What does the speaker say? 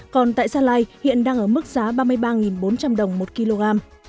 còn tại gia lai hiện đang ở mức giá ba mươi ba bốn trăm linh đồng một kg